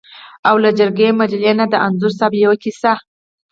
او له جرګې مجلې نه د انځور صاحب یوه کیسه.